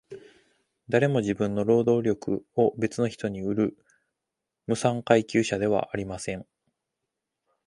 誰も自分の労働力を別の人に売る無産階級者ではありません。